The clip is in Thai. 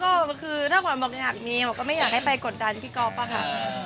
เพราะว่าก็คือถ้าบอกอยากมีผมก็ไม่อยากกดดันพี่ก๊อปค่ะ